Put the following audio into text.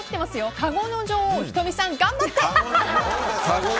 かごの女王、仁美さん頑張って！